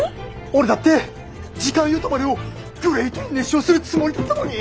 俺だって「時間よ止まれ」をグレイトに熱唱するつもりだったのに！